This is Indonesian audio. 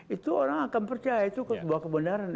itu orang akan percaya itu sebuah kebenaran